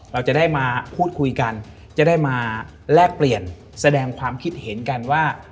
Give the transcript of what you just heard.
เราจะได้มาพูดคุยกันจะได้มาแลกเปลี่ยนแสดงความคิดเห็นกันว่า